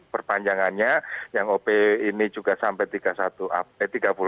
perpanjangannya yang op ini juga sampai tiga puluh satu